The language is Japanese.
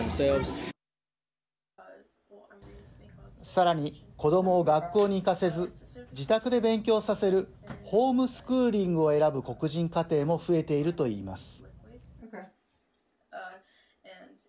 さらに子どもを学校に行かせず自宅で勉強させるホーム・スクーリングを選ぶ黒人家庭も増えているといいます。